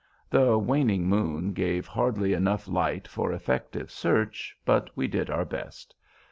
The waning moon gave hardly enough light for effective search, but we did our best.